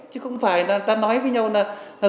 chứ không phải là ta nói với nhau là